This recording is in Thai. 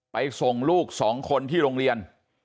ส่งลูก๒คนที่โรงเรียน